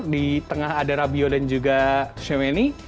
di tengah ada rabiot dan juga tshomeni